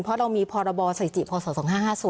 เพราะเรามีพรศจพศ๒๕๕๐